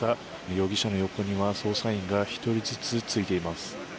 容疑者の横には捜査員が１人ずつついています。